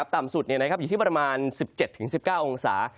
ต่ำสุดอยู่ที่ประมาณ๑๗๑๙องศา